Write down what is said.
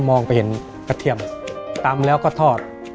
มองไปเห็นกระเทียมตำแล้วก็ทอด